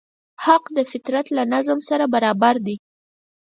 حق د فطرت له نظم سره برابر دی.